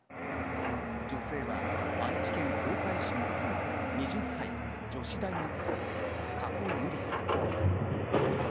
女性は愛知県東海市に住む２０歳の女子大学生加古結莉さん。